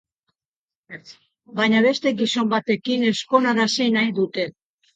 Baina beste gizon batekin ezkonarazi nahi dute.